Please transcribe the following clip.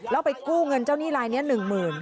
แล้วไปกู้เงินเจ้าหนี้รายนี้๑๐๐๐๐บาท